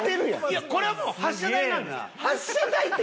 いやこれはもう発射台なんですって。